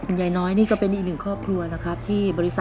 หรือที่เรียกว่าตัวรับอิสระ